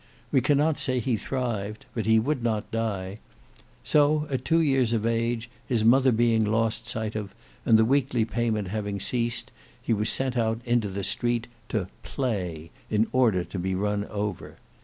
We cannot say he thrived; but he would not die. So at two years of age, his mother being lost sight of, and the weekly payment having ceased, he was sent out in the street to "play," in order to be run over.